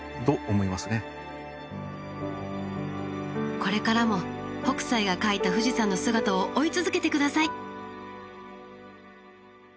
これからも北斎が描いた富士山の姿を追い続けて下さい。